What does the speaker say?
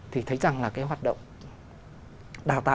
thì thấy rằng là cái hoạt động đào tạo